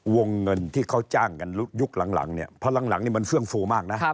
วงเงินที่เขาจ้างกันยุคหลังเนี่ยเพราะหลังนี่มันเฟื่องฟูมากนะ